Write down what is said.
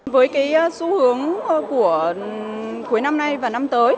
với cái xu hướng của cuối năm nay và năm tới